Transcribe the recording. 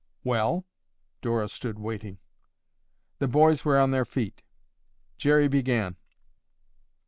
"Well?" Dora stood waiting. The boys were on their feet. Jerry began.